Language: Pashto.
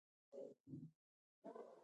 زړه لاس ته راوړل حج دی